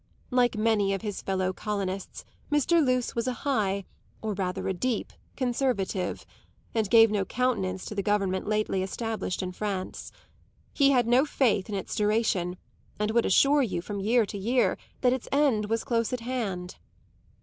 Like many of his fellow colonists Mr. Luce was a high or rather a deep conservative, and gave no countenance to the government lately established in France. He had no faith in its duration and would assure you from year to year that its end was close at hand.